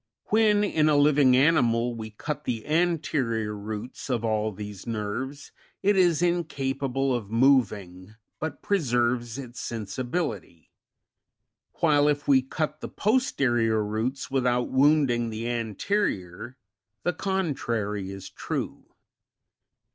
When in a living animal we cut the anterior roots of all these nerves, it is incapable of moving, but preserves its sensibility ; while if we cut the posterior roots without wounding the anterior, the con trary is true.